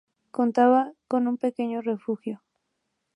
Contaba con un pequeño refugio.